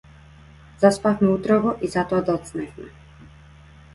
Заспавме утрово и затоа доцневме.